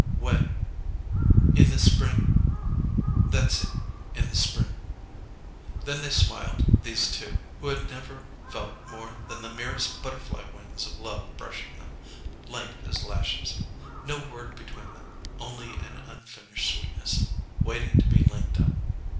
"When?" "In the spring?" "That's it in the spring." Then they smiled, these two, who had never felt more than the merest butterfly wings of love brushing them, light as lashes. No word between them, only an unfinished sweetness, waiting to be linked up.